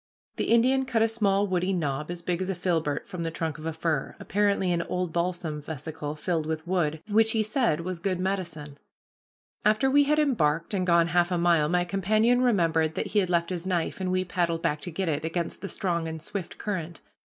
The Indian cut a small woody knob as big as a filbert from the trunk of a fir, apparently an old balsam vesicle filled with wood, which he said was good medicine. After we had embarked and gone half a mile, my companion remembered that he had left his knife, and we paddled back to get it, against the strong and swift current.